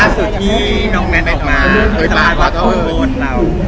เกิดที่ไม่เห็นกับคน